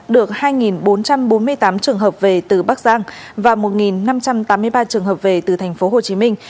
được hai bốn trăm bốn mươi tám trường hợp về từ bắc giang và một năm trăm tám mươi ba trường hợp về từ thành phố hồ chí minh